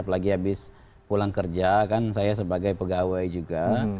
apalagi abis pulang kerja kan saya sebagai pegawai juga